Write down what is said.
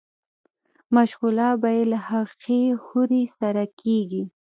مشغولا به ئې له هغې حورې سره کيږي